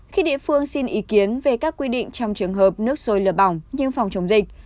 khi địa phương xin ý kiến về các quy định trong trường hợp nước sôi lửa bỏng nhưng phòng chống dịch